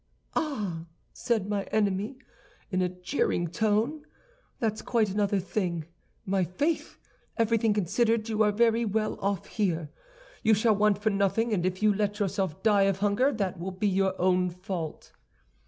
"'Ah!' said my enemy, in a jeering tone, 'that's quite another thing. My faith! everything considered, you are very well off here. You shall want for nothing, and if you let yourself die of hunger that will be your own fault.